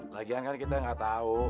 lagian kan kita gatau